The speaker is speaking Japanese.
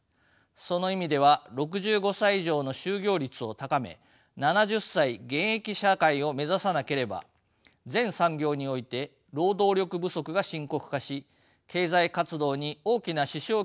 その意味では６５歳以上の就業率を高め７０歳現役社会を目指さなければ全産業において労働力不足が深刻化し経済活動に大きな支障を来すことは明白です。